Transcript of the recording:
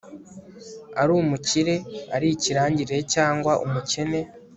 ari umukire, ari ikirangirire cyangwa umukene